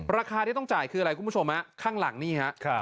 ราคาที่ต้องจ่ายคืออะไรคุณผู้ชมฮะข้างหลังนี่ฮะ